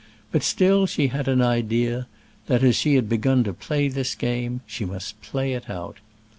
But still she had an idea that, as she had begun to play this game, she must play it out.